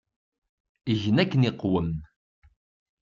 Gen akken iqwem.